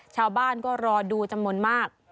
ชาวบ้านก็รอดูจำนวนมาก